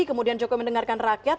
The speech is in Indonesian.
kemudian jokowi mendengarkan rakyat